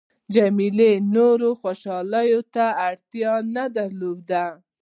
جميله نورې خوشحالۍ ته اړتیا نه درلوده.